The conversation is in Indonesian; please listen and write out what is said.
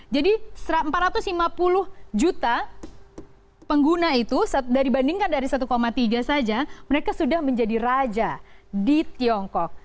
jadi empat ratus lima puluh juta pengguna itu dibandingkan dari satu tiga saja mereka sudah menjadi raja di tiongkok